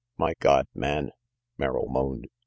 "My God, man!" Merrill moaned.